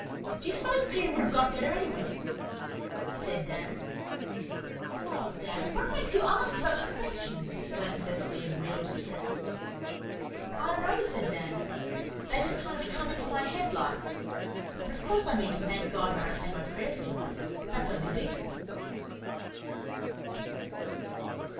"Do you s'pose Peter wouldn't have got better anyway?" said Dan. "Oh, Dan, what makes you ask such questions?" exclaimed Cecily in real distress. "I dunno," said Dan. "They just kind of come into my head, like. But of course I mean to thank God when I say my prayers to night. That's only decent."